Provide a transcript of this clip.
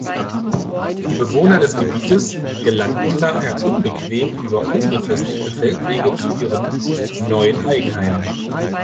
Die Bewohner des Gebietes gelangten daher unbequem über unbefestigte Feldwege zu ihren neuen Eigenheimen.